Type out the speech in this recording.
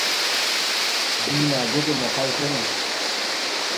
Bii ma joge mo kay so no.